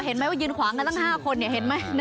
เห็นไหมว่ายืนขวางกันตั้ง๕คนเห็นไหม